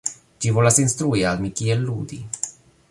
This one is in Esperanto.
Ĝi volas instrui al mi kiel ludi